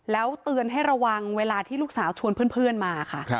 แล้วเตือนให้ระวังเวลาที่ลูกสาวชวนเพื่อนมาค่ะ